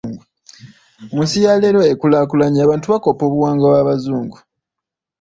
Mu nsi ya leero ekulaakulanye, abantu bakoppa obuwangwa bw'abazungu.